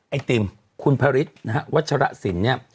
ไอศิลป์คุณพลฤตนะครับวัชฌสินเนี่ย